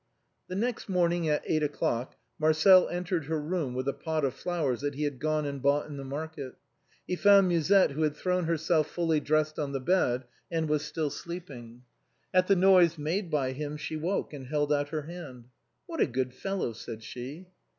The next morning at eight o'clock Marcel entered her room with a pot of flowers that he had gone and bought in the market. He found Musette, who had thrown her self fully dressed on the bed, and was still sleeping. At the noise made by him she woke, and held out her hand. " What a good fellow," said she.